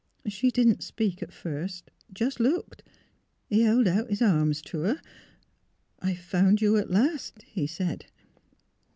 She didn't speak at first — just looked. He held out his arms to her. ' I have found you, at last,' he said."